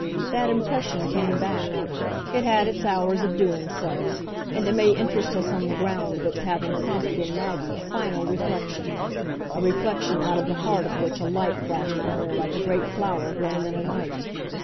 That impression came back it had its hours of doing so; and it may interest us on the ground of its having prompted in Maggie a final reflection, a reflection out of the heart of which a light flashed for her like a great flower grown in a night.